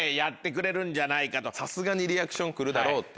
さすがにリアクション来るだろうっていう。